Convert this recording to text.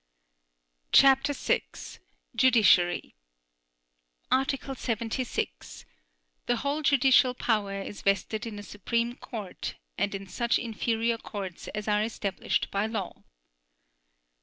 CHAPTER VI. JUDICIARY Article 76. The whole judicial power is vested in a Supreme Court and in such inferior courts as are established by law.